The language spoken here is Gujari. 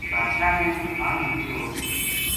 بادشاہ نے پٹھان نا کہیو